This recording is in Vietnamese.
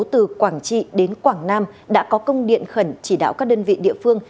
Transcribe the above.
từ quảng trị đến quảng nam đã có công điện khẩn chỉ đạo các đơn vị địa phương